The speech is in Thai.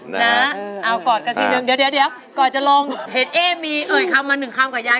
เดี๋ยวเดี๋ยวเดี๋ยวก่อนจะลงเห็นเอมีเอ่ยคำมาหนึ่งคำกับยาย